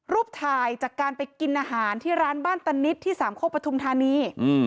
รูปถ่ายจากการไปกินอาหารที่ร้านบ้านตานิดที่สามโคกปฐุมธานี